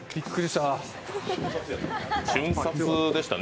瞬殺でしたね。